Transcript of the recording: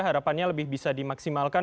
harapannya lebih bisa dimaksimalkan